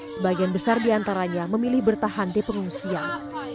sebagian besar di antaranya memilih bertahan di pengungsian